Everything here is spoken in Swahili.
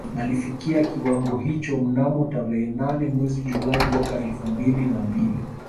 Alifikia kiwango hicho mnamo tarehe nane mwezi Julai mwaka elfu mbili na mbili